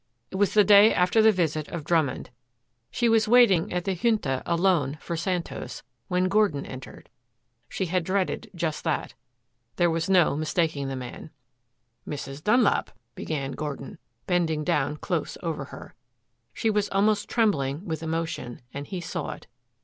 It was the day after the visit of Drummond. She was waiting at the Junta alone for Santos when Gordon entered. She had dreaded just that. There was no mistaking the man. "Mrs. Dunlap," began Gordon bending down close over her. She was almost trembling with emotion, and he saw it.